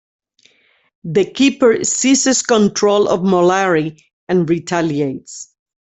The Keeper seizes control of Mollari and retaliates.